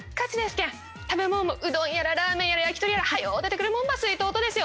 けん食べもんもうどんやらラーメンやら焼き鳥やらはよ出てくるもんばすいとーとですよ